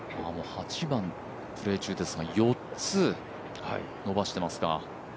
８番、プレー中ですが４つ伸ばしてますか。